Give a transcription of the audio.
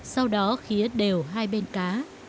sau đó khía đều hai bên cá